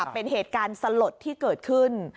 เป็นเหตุการณ์สลดที่เกิดขึ้น